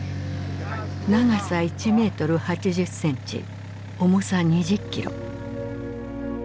長さ１メートル８０センチ重さ２０キロ。